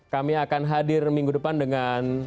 kami akan hadir minggu depan dengan